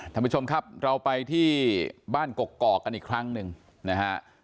ท่านผู้ชมครับเราไปที่บ้านกกอกกันอีกครั้งหนึ่งนะฮะ